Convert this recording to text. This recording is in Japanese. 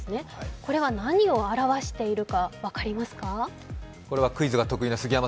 これは何を表しているか分かりますか。